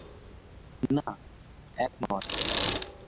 না, এক নয়।